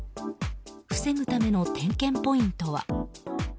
防ぐための点検ポイントは。